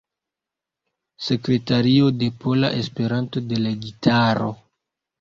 Sekretario de Pola Esperanto-Delegitaro.